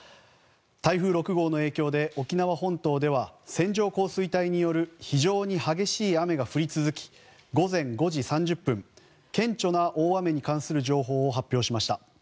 台風６号の影響で沖縄本島では線状降水帯による非常に激しい雨が降り続き午前５時３０分顕著な大雨に関する情報を発表しました。